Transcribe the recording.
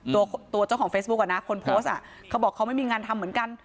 ตัวเจ้าของเฟซบุ๊กอ่ะนะคนโพสต์เขาบอกเขาไม่มีงานทำเหมือนกัน